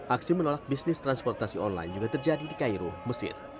aksi menolak bisnis transportasi online juga terjadi di cairo mesir